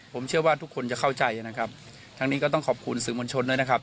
ผมเชื่อว่าทุกคนจะเข้าใจนะครับทั้งนี้ก็ต้องขอบคุณสื่อมวลชนด้วยนะครับ